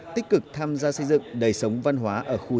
tích cực tham gia xây dựng đời sống văn hóa ở khu dân cư